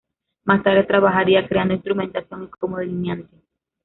Más tarde trabajaría creando instrumentación y como delineante.